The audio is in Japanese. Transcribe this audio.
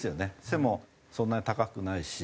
背もそんなに高くないし。